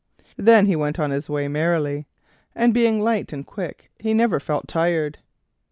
Then he went on his way merrily, and being light and quick he never felt tired.